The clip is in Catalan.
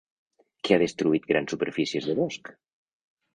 Què ha destruït grans superfícies de bosc?